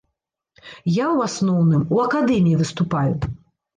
Я ў асноўным у акадэміі выступаю.